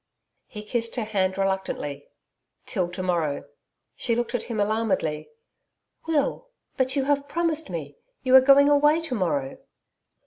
He kissed her hand reluctantly. 'Till to morrow.' She looked at him alarmedly. 'Will! But you have promised me. You are going away to morrow.'